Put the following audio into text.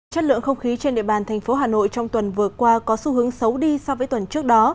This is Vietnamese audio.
chất lượng không khí trên địa bàn thành phố hà nội trong tuần vừa qua có xu hướng xấu đi so với tuần trước đó